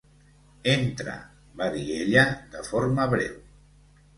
"Entra", va dir ella de forma breu.